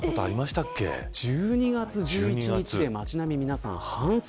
１２月１１日で街の皆さん半袖。